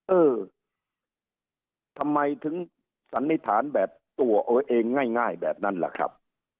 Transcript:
เออทำไมถึงสันนิษฐานแบบตัวเองง่ายแบบนั้นล่ะครับ